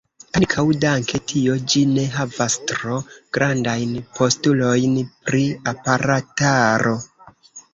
Ankaŭ danke tio ĝi ne havas tro grandajn postulojn pri aparataro.